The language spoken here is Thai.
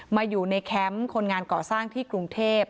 มาอยู่ในแคมป์คนงานก่อสร้างที่กรุงเทพ